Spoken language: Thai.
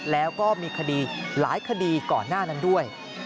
แล้วก็มีคดีหลายคดีก่อนหน้านั้นด้วย